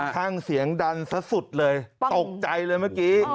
ช่างเสียงดันซะสุดเลยตกใจเลยเมื่อกี้